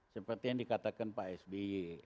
seperti yang dikatakan pak sby